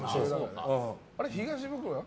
あれ、東ブクロは？